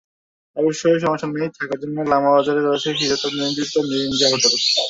অবশ্য সমস্যা নেই, থাকার জন্য লামা বাজারে রয়েছে শীতাতপনিয়ন্ত্রিত মিরিঞ্জা হোটেল।